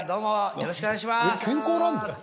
よろしくお願いします。